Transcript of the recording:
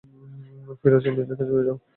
ফিরে যাও - মেয়েদের কাছে ফিরে যাও।